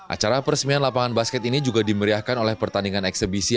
acara peresmian lapangan basket ini juga dimeriahkan oleh pertandingan eksebisi